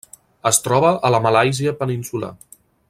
Es troba a la Malàisia peninsular.